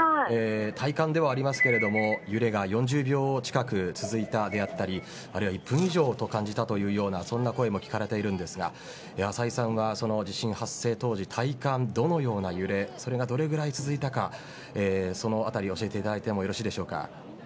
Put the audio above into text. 体感では、ありますけれども揺れが４０秒近く続いたであったりあるいは１分以上と感じたようなそんな声も聞かれているんですが浅井さんは地震発生当時体感、どのような揺れそれが、どれぐらい続いたかそのあたり教えていただいてもよろしいでしょうか。